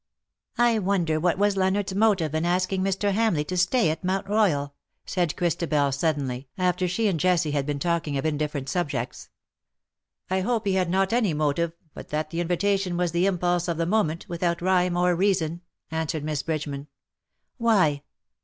^' I wonder what was Leonard's motive in asking Mr. Hamleigh to stay at Mount Royal ?" said Christabel; suddenly, after she and Jessie had been talking of indifierent subjects. " I hope he had not any motive, but that the invitation was the impulse of the moment, without rhyme or reason," answered Miss Bridgeman. "Why?"